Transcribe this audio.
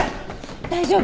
大丈夫！？